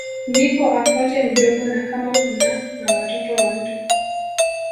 Ndipo afuate mdogo na kama kuna na watoto wa mtu